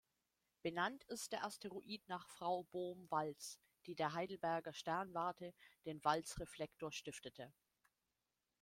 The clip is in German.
Benannt ist der Asteroid nach Frau "Bohm-Walz", die der Heidelberger Sternwarte den Walz-Reflektor stiftete.